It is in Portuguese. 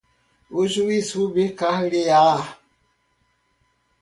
o juiz rubricar-lhe-á